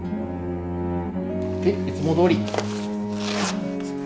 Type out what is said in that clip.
はいいつもどおり。